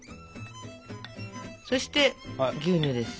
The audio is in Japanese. そして牛乳です。